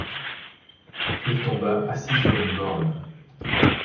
Il tomba assis sur une borne.